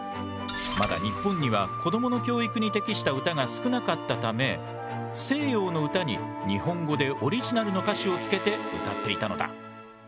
まだ日本には子供の教育に適した歌が少なかったため西洋の歌に日本語でオリジナルの歌詞をつけて歌っていたのだ。